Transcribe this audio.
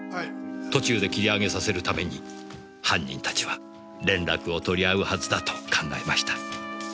途中で切り上げさせるために犯人たちは連絡を取り合うはずだと考えました。